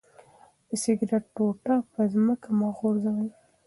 د سګرټ ټوټه په ځمکه مه غورځوئ.